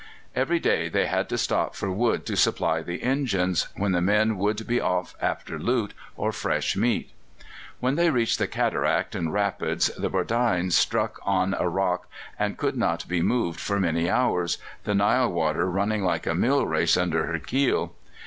Every day they had to stop for wood to supply the engines, when the men would be off after loot or fresh meat. When they reached the cataract and rapids the Bordein struck on a rock, and could not be moved for many hours, the Nile water running like a mill race under her keel.